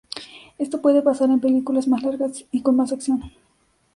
Esto puede pasar en películas más largas y con más acción.